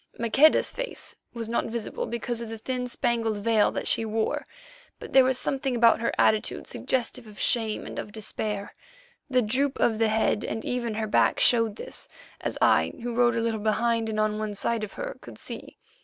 Maqueda's face was not visible because of the thin spangled veil that she wore, but there was something about her attitude suggestive of shame and of despair. The droop of the head and even her back showed this, as I, who rode a little behind and on side of her, could see.